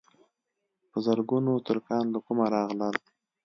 په زرګونو ترکان له کومه راغلل.